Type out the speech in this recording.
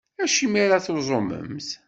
Acimi ara tuẓumemt?